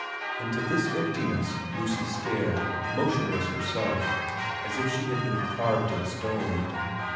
Into this emptiness Lucy stared, motionless herself, as if she had been carved in stone.